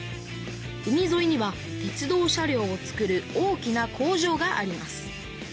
海ぞいには鉄道車両をつくる大きな工場があります。